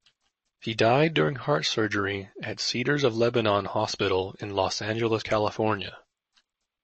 He died during heart surgery at Cedars of Lebanon Hospital in Los Angeles, California.